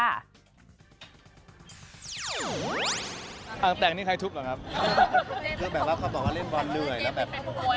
อ่างแต่งนี่ใครทุบหรอครับคือแบบว่าเขาบอกว่าเล่นบอลเรื่อยแล้วแบบโอ้โห